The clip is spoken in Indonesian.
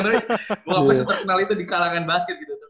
pokoknya setelah kenal itu di kalangan basket gitu